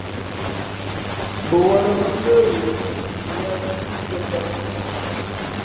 Mbαwᾱlᾱ mα̌ ngə́ ghə zǐ mα yāā síʼ mbīē bᾱ.